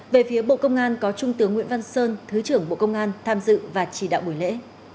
về phía bộ công an có trung tướng nguyễn văn sơn thứ trưởng bộ công an tham dự và chỉ đạo buổi lễ